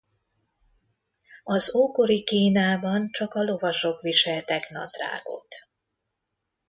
Az ókori Kínában csak a lovasok viseltek nadrágot.